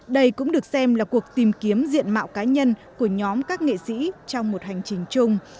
đây cũng được xem là cuộc tìm kiếm diện mạo cá nhân của nhóm các nghệ sĩ trong một hành trình chung